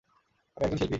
আমি একজন শিল্পী।